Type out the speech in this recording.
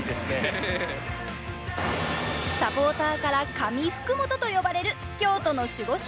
サポーターから“神”福元と呼ばれる京都の守護神。